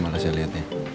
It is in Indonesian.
gak pernah saya liat ya